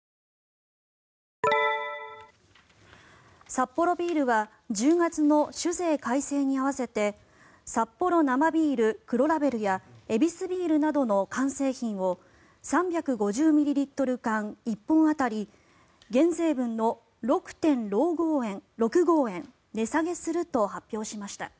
サッポロビールは１０月の酒税改正に合わせてサッポロ生ビール黒ラベルやヱビスビールなどの缶製品を３５０ミリリットル缶１本当たり減税分の６．６５円値下げすると発表しました。